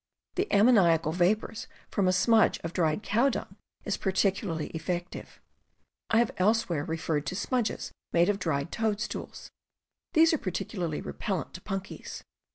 The am moniacal vapors from a smudge of dried cow dung is particularly effective. I have elsewhere referred to smudges made of dried toadstools; these are peculiarly repellent to punkies.